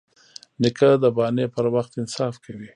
نیکه د بانې پر وخت انصاف کوي.